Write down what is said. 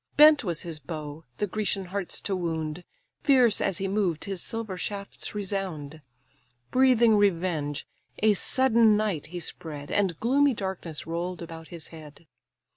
Bent was his bow, the Grecian hearts to wound; Fierce as he moved, his silver shafts resound. Breathing revenge, a sudden night he spread, And gloomy darkness roll'd about his head.